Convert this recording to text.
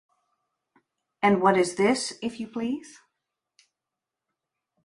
And what is this, if you please?